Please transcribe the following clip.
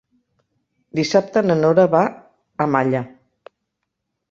Dissabte na Nora va a Malla.